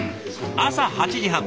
朝８時半。